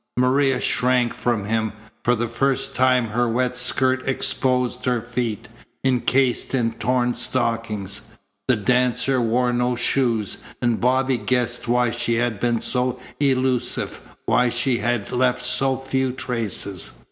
Maria shrank from him. For the first time her wet skirt exposed her feet, encased in torn stockings. The dancer wore no shoes, and Bobby guessed why she had been so elusive, why she had left so few traces.